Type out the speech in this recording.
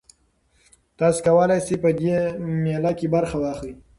تاسي کولای شئ په دې مېله کې برخه واخلئ.